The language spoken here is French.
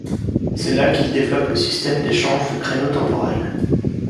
C'est là qu'il développe le système d'échange de créneaux temporels.